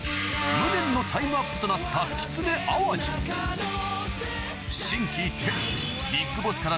無念のタイムアップとなったきつね・淡路心機一転に扮し